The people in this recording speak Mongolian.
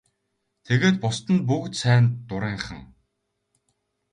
Тэгээд бусад нь бүгд сайн дурынхан.